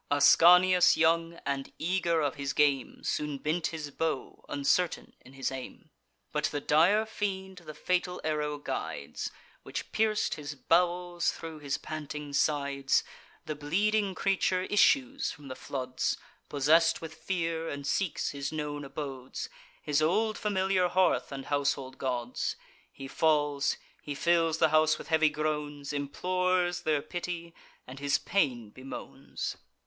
Ascanius young, and eager of his game, Soon bent his bow, uncertain in his aim; But the dire fiend the fatal arrow guides, Which pierc'd his bowels thro' his panting sides. The bleeding creature issues from the floods, Possess'd with fear, and seeks his known abodes, His old familiar hearth and household gods. He falls; he fills the house with heavy groans, Implores their pity, and his pain bemoans.